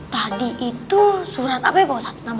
tadi itu surat apa ya ustadz namanya